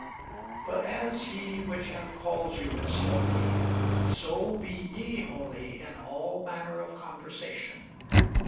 But as he which hath called you is holy, so be ye holy in all manner of conversation.